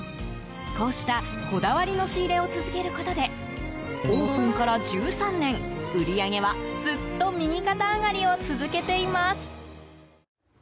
こうしたこだわりの仕入れを続けることでオープンから１３年売り上げは、ずっと右肩上がりを続けています。